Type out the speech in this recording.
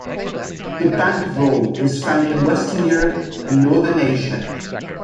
The bank vole is found in western Europe and northern Asia.